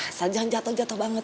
asal jangan jatuh jatuh banget